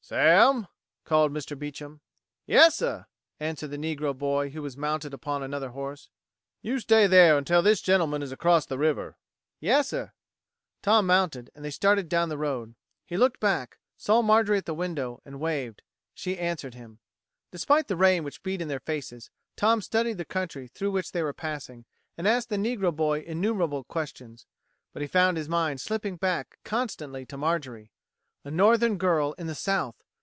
"Sam!" called Mr. Beecham. "Yassah!" answered the negro boy who was mounted upon another horse. "You stay there until this gentleman is across the river." "Yassah." Tom mounted and they started down the road. He looked back, saw Marjorie at the window, and waved. She answered him. Despite the rain which beat in their faces, Tom studied the country through which they were passing, and asked the negro boy innumerable questions. But he found his mind slipping back constantly to Marjorie. A Northern girl in the South!